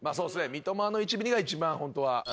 「三笘の１ｍｍ」が一番ホントは。